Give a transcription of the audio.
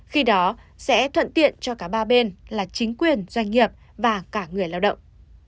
khi đó sẽ thuận tiện cho cả ba bên là chính quyền doanh nghiệp và cả người lao động